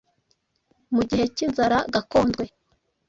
mu gihe cy’inzara ya Gakondwe.